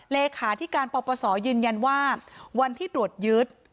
เลขาที่การปปศยืนยันว่าวันที่ตรวจยึด